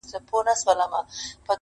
پر اوږو د اوښكو ووته له ښاره!.